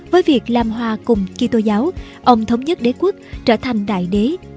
với việc làm hòa cùng kỳ tô giáo ông thống nhất đế quốc trở thành đại đế